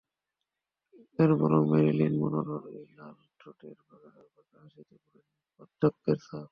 কিন্তু এরপরও মেরিলিন মনরোর সেই লাল ঠোঁটের বাঁকা হাসিতে পড়েনি বার্ধক্যের ছাপ।